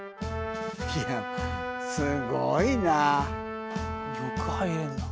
いやすごいな！